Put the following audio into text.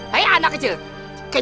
hei anak kecil